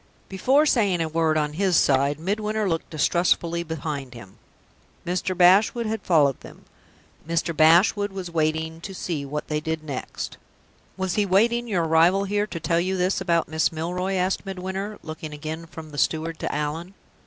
Before saying a word on his side, Midwinter looked distrustfully behind him. Mr. Bashwood had followed them. Mr. Bashwood was watching to see what they did next. "Was he waiting your arrival here to tell you this about Miss Milroy?" asked Midwinter, looking again from the steward to Allan.